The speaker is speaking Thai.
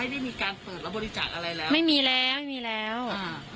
ได้มีการเปิดรับบริจาคอะไรแล้วไม่มีแล้วไม่มีแล้วอ่า